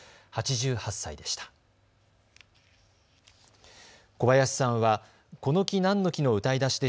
８８歳でした。